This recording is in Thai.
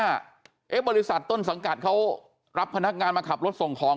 บริษัทต้นสังกัดเขารับพนักงานมาขับรถส่งของ